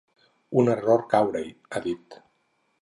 Un error caure-hi, ha dit.